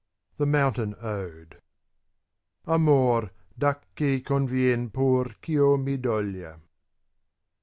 THE MOUNTAIN ODE Amor, dacchi convien pur cVio mi doglia.